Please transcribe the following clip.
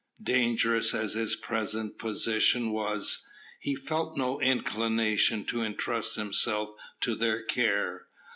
Dangerous as his present position was, he felt no inclination to entrust himself to their care.